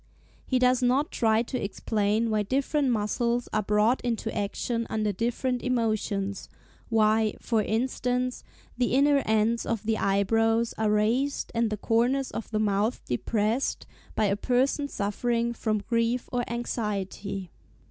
He does not try to explain why different muscles are brought into action under different emotions; why, for instance, the inner ends of the eyebrows are raised, and the corners of the mouth depressed, by a person suffering from grief or anxiety.